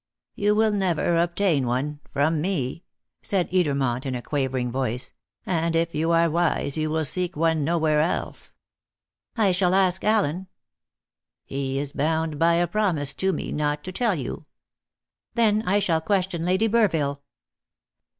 "You will never obtain one from me," said Edermont in a quavering voice; "and if you are wise you will seek one nowhere else." "I shall ask Allen." "He is bound by a promise to me not to tell you." "Then, I shall question Lady Burville."